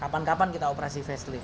kapan kapan kita operasi facely